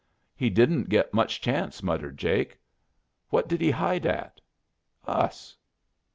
"He didn't get much chance," muttered Jake. "What did he hide at?" "Us."